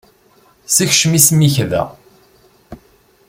Sekcem isem-ik da.